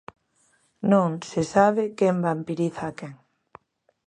Non se sabe quen vampiriza a quen.